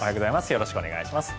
よろしくお願いします。